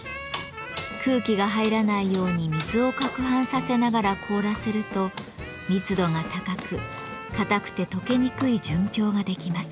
空気が入らないように水を攪拌させながら凍らせると密度が高くかたくてとけにくい純氷ができます。